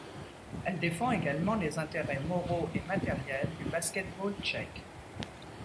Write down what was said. Elle défend également les intérêts moraux et matériels du basket-ball tchèque.